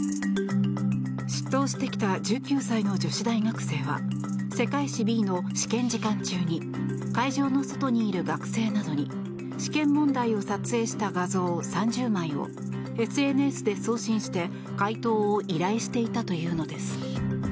出頭してきた１９歳の女子大生は世界史Ｂの試験時間中に会場の外にいる学生などに試験問題を撮影した画像３０枚をＳＮＳで送信して解答を依頼していたというのです。